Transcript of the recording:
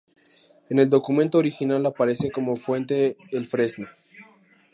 En el documento original aparece como Fuente el Fresno.